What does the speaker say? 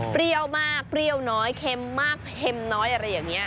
มากเปรี้ยวน้อยเค็มมากเค็มน้อยอะไรอย่างนี้